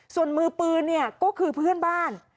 ส่วนมือปืนเนี่ยก็คือเพื่อนบ้าน